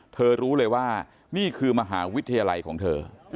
รู้เลยว่านี่คือมหาวิทยาลัยของเธอ